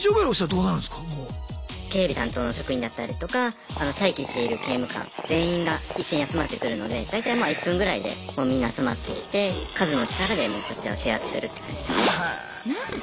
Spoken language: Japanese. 警備担当の職員だったりとか待機している刑務官全員が一斉に集まってくるので大体まあ１分ぐらいでみんな集まってきて数の力でもうこちらを制圧するって感じです。